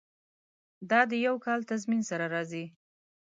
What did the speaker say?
دا د یو کال تضمین سره راځي.